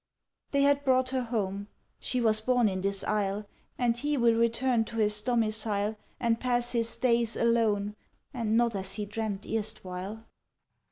"They had brought her home: she was born in this isle; And he will return to his domicile, And pass his days Alone, and not as he dreamt erstwhile!"